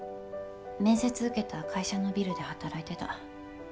面接受けた会社のビルで働いてた。